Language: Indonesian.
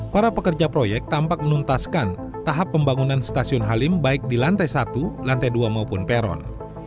para pekerja proyek tampak menuntaskan tahap pembangunan stasiun halim baik di lantai satu lantai dua maupun peron